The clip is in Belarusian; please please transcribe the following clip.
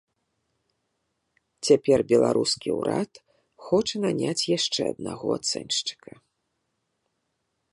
Цяпер беларускі ўрад хоча наняць яшчэ аднаго ацэншчыка.